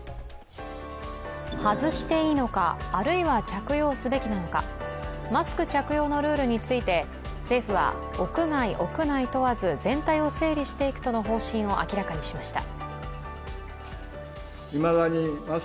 外していいのか、あるいは着用すべきなのか、マスク着用のルールについて政府は屋外・屋内問わず全体を整理していくとの方針を明らかにしました。